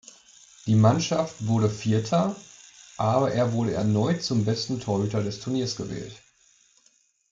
Die Mannschaft wurde Vierter, aber er wurde erneut zum besten Torhüter des Turniers gewählt.